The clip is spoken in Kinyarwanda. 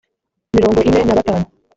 mirongo ine na batanu